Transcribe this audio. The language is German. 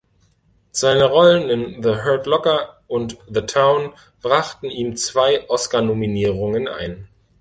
Seine Rollen in "The Hurt Locker" und "The Town" brachten ihm zwei Oscarnominierungen ein.